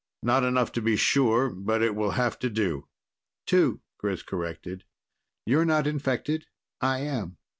Not enough to be sure, but it will have to do." "Two," Chris corrected. "You're not infected, I am."